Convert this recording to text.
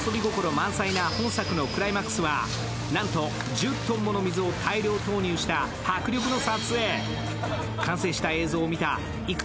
満載な本作のクライマックスはなんと１０ｔもの水を大量投入した迫力の撮影。